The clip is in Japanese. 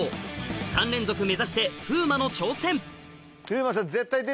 ３連続目指して風磨さん。